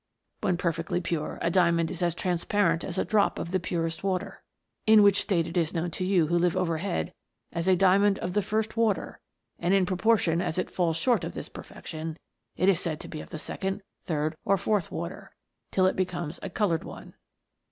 When perfectly pure a diamond is as trans parent as a drop of the purest water, in which state it is known to you who live overhead as a diamond of the first water; and in proportion as it falls short of this perfection it is said to be of the second, third, or fourth water, till it becomes a coloured one.